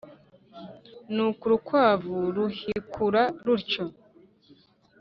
nuko urukwavu ruhikura rutyo.